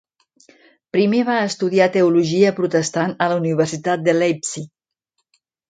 Primer va estudiar teologia protestant a la Universitat de Leipzig.